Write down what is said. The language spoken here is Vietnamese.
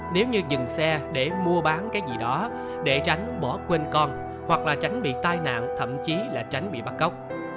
nếu như dừng xe để mua bán cái gì đó để tránh bỏ quên con hoặc là tránh bị tai nạn thậm chí là tránh bị bắt cóc